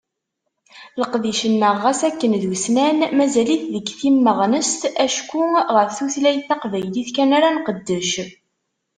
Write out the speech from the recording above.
Leqdic-nneɣ ɣas akken d ussnan, mazal-it deg timmeɣnest acku ɣef tutlayt taqbaylit kan ara nqeddec.